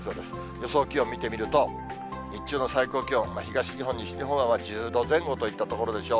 予想気温見てみると、日中の最高気温、東日本、西日本は１０度前後といったところでしょう。